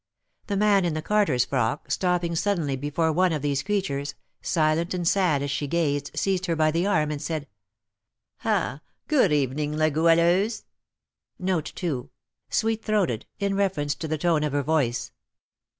The man in the carter's frock, stopping suddenly before one of these creatures, silent and sad as she gazed, seized her by the arm, and said, "Ha! good evening, La Goualeuse." Sweet throated: in reference to the tone of her voice.